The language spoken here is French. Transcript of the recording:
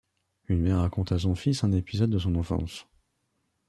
Une mère raconte à son fils un épisode de son enfance.